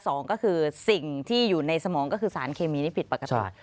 สองก็คือสิ่งที่อยู่ในสมองก็คือสารเคมีที่ผิดปกติ